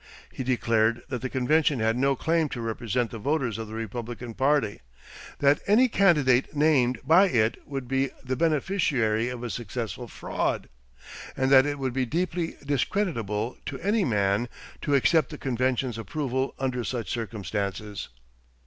He declared that the convention had no claim to represent the voters of the Republican party; that any candidate named by it would be "the beneficiary of a successful fraud"; and that it would be deeply discreditable to any man to accept the convention's approval under such circumstances.